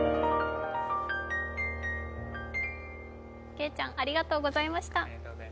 けいちゃんありがとうございました。